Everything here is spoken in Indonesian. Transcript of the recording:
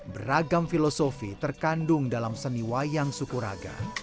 beragam filosofi terkandung dalam seni wayang sukuraga